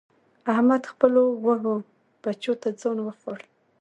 احمد خپلو وږو بچو ته ځان وخوړ.